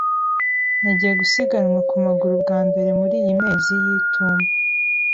Nagiye gusiganwa ku maguru bwa mbere muriyi mezi y'itumba.